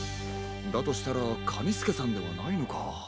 だとしたらカニスケさんではないのか。